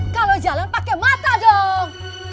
kalau jalan pakai mata dong